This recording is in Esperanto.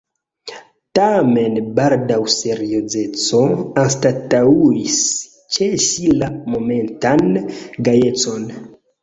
Tamen baldaŭ seriozeco anstataŭis ĉe ŝi la momentan gajecon.